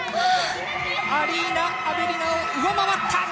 アリーナ・アベリナを上回った。